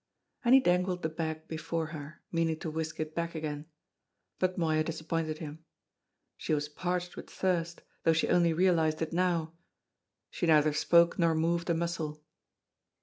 And he dangled the bag before her, meaning to whisk it back again. But Moya disappointed him. She was parched with thirst, though she only realised it now. She neither spoke nor moved a muscle.